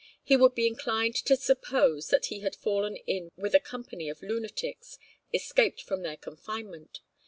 He would be inclined to suppose that he had fallen in with a company of lunatics, escaped from their confinement.